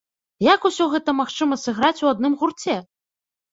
Як усё гэта магчыма сыграць у адным гурце?